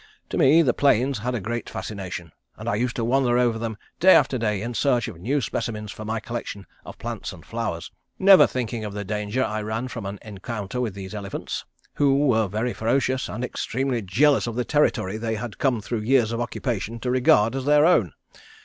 To me the plains had a great fascination, and I used to wander over them day after day in search of new specimens for my collection of plants and flowers, never thinking of the danger I ran from an encounter with these elephants, who were very ferocious and extremely jealous of the territory they had come through years of occupation to regard as their own.